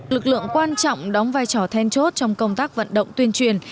lực lượng quan trọng đóng vai trò then chốt trong công tác vận động tuyên truyền